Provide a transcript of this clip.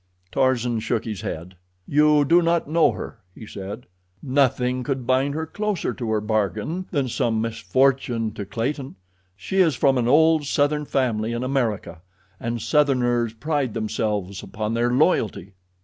Tarzan shook his head. "You do not know her," he said. "Nothing could bind her closer to her bargain than some misfortune to Clayton. She is from an old southern family in America, and southerners pride themselves upon their loyalty."